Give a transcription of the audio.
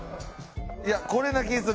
いやこれな気ぃする！